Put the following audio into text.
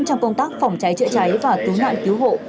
trong công tác phòng cháy chữa cháy và cứu nạn cứu hộ